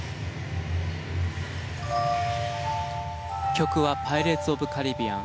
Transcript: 曲は『パイレーツ・オブ・カリビアン』。